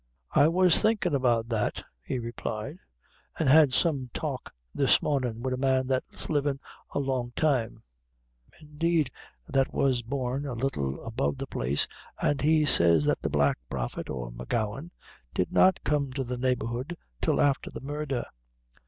"I was thinkin' about that," he replied, "and had some talk this mornin' wid a man that's livin' a long time indeed that was born a little above the place and he says that the Black Prophet, or M'Gowan, did not come to the neighborhood till afther the murdher.